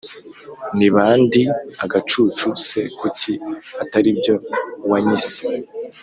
niba ndi agacucu se kuki ataribyo wanyise